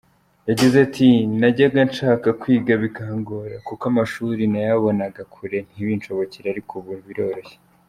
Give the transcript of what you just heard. Yagize ati “Najyaga nshaka kwiga bikangora, kuko amashuri nayabonaga kure ntibinshobokere, ariko ubu biroroshye”.